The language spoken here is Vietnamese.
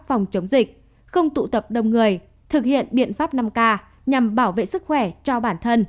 phòng chống dịch không tụ tập đông người thực hiện biện pháp năm k nhằm bảo vệ sức khỏe cho bản thân